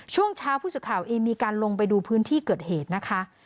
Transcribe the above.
ช่วงเช้าผู้สื่อข่าวเองมีการลงไปดูพื้นที่เกิดเหตุนะคะ